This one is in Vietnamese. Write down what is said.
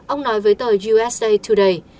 ông nói với tờ usa today